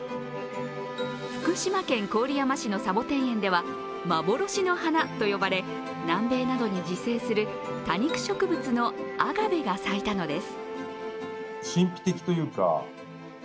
福島県郡山市のサボテン園では幻の花と呼ばれ、南米などに自生する多肉植物のアガベが咲いたのです。